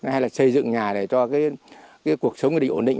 hay là xây dựng nhà này cho cái cuộc sống định ổn định